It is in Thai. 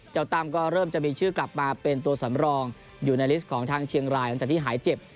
ตั้มก็เริ่มจะมีชื่อกลับมาเป็นตัวสำรองอยู่ในลิสต์ของทางเชียงรายหลังจากที่หายเจ็บ